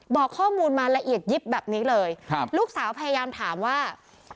บอกข้อมูลมาละเอียดยิบแบบนี้เลยครับลูกสาวพยายามถามว่า